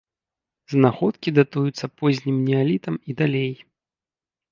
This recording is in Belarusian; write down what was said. Знаходкі датуюцца познім неалітам і далей.